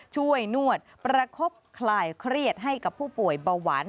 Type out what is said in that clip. นวดประคบคลายเครียดให้กับผู้ป่วยเบาหวาน